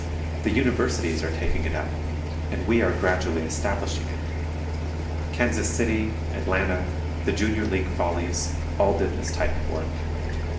The Universities are taking it up, and we are gradually establishing it. Kansas City, Atlanta the Junior League Follies, all did this type of work.